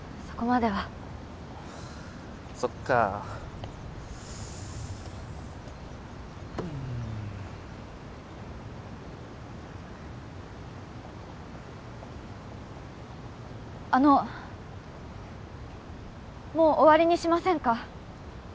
そこまではそっかあのもう終わりにしませんか？